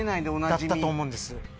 だったと思うんです。